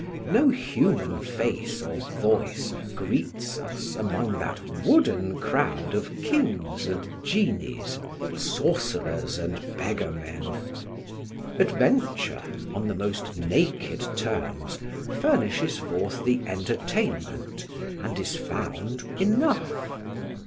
No human face or voice greets us among that wooden crowd of kings and genies, sorcerers and beggarmen. Adventure, on the most naked terms, furnishes forth the entertainment and is found enough.